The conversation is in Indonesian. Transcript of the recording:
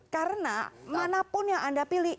karena manapun yang anda pilih